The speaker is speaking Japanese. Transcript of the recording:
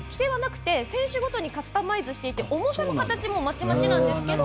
選手ごとにカスタマイズして重さも形もまちまちなんですけど